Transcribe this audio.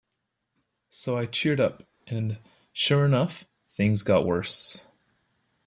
So I cheered up and, sure enough, things got worse.